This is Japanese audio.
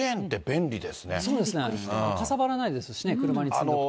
そうですね、かさばらないですしね、車に積んどくと。